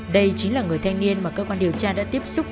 đây chính là người thanh niên mà cơ quan điều tra đã tiếp xúc